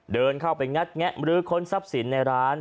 เดินเข้าไปงัดแงะมรื้อค้นทรัพย์สินในร้าน